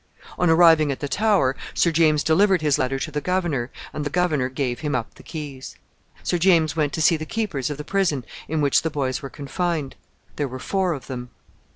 On arriving at the Tower, Sir James delivered his letter to the governor, and the governor gave him up the keys. Sir James went to see the keepers of the prison in which the boys were confined. There were four of them.